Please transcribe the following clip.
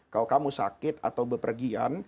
kalau kamu sakit atau bepergian